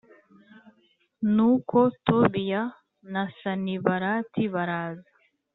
n uko Tobiya na Sanibalati baraza